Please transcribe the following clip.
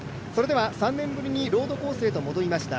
３年ぶりにロードコースへ戻りました